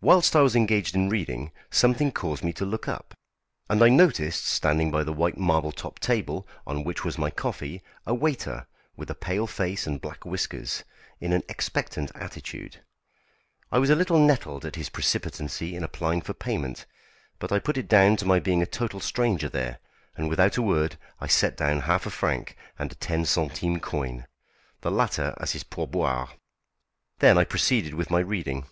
Whilst I was engaged in reading, something caused me to look up, and I noticed standing by the white marble topped table, on which was my coffee, a waiter, with a pale face and black whiskers, in an expectant attitude. I was a little nettled at his precipitancy in applying for payment, but I put it down to my being a total stranger there; and without a word I set down half a franc and a ten centimes coin, the latter as his pourboire. Then I proceeded with my reading.